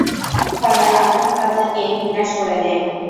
ফলে আল্লাহ তাদেরকে বিনাশ করে দেন।